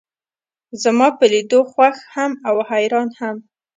زما پۀ لیدو خوښ هم و او حیران هم.